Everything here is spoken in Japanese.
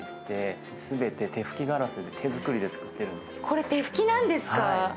これ、手吹きなんですか！？